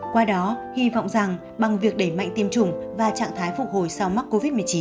qua đó hy vọng rằng bằng việc đẩy mạnh tiêm chủng và trạng thái phục hồi sau mắc covid một mươi chín